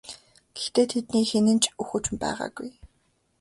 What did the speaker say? Гэхдээ тэдний хэн нь ч үхэж байгаагүй.